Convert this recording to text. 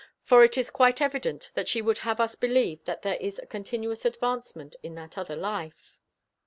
For it is quite evident that she would have us believe that there is a continuous advancement in that other life.